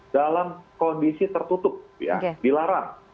dalam kondisi tertutup ya dilarang